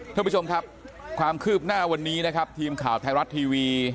ท่านผู้ชมครับความคืบหน้าวันนี้นะครับทีมข่าวไทยรัฐทีวี